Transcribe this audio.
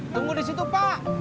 tunggu di situ pak